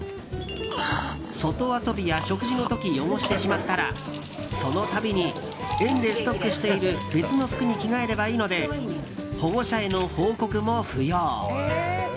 外遊びや食事の時汚してしまったらその度に園でストックしている別の服に着替えればいいので保護者への報告も不要。